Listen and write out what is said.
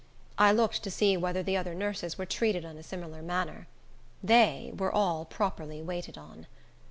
I looked to see whether the other nurses were treated in a similar manner. They were all properly waited on.